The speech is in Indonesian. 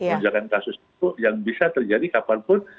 lonjakan kasus itu yang bisa terjadi kapanpun